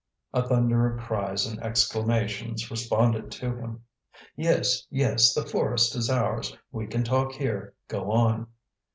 A thunder of cries and exclamations responded to him. "Yes, yes! the forest is ours, we can talk here. Go on."